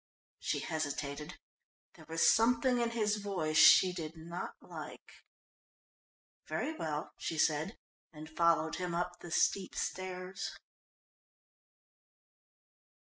She hesitated. There was something in his voice she did not like. "Very well," she said, and followed him up the steep stairs.